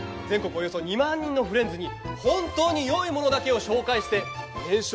およそ２万人のフレンズに本当に良いものだけを紹介して年商